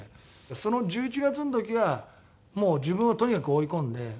その１１月の時はもう自分をとにかく追い込んで。